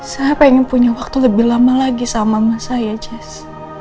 saya pengen punya waktu lebih lama lagi sama saya jazz